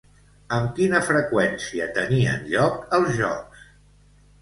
Amb quina freqüència tenien lloc els Jocs?